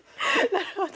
なるほど。